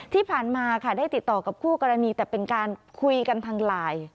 ที่ผ่านมาค่ะได้ติดต่อกับคู่กรณีแต่เป็นการคุยกันทางไลน์